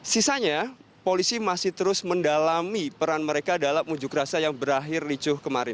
sisanya polisi masih terus mendalami peran mereka dalam unjuk rasa yang berakhir licuh kemarin